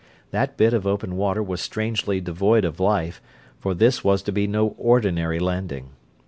That bit of open water was strangely devoid of life, for this was to be no ordinary landing.